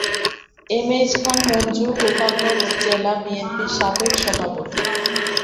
M H Khan Manjur Gopalganj জেলা বিএনপির সাবেক সভাপতি।